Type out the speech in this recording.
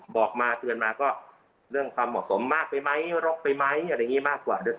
บอกมาเตือนมาก็เรื่องความเหมาะสมมากไปไหมร็อกไปไหมอะไรอย่างนี้มากกว่าด้วยซ